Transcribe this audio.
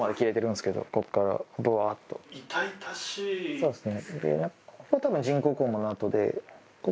そうですね。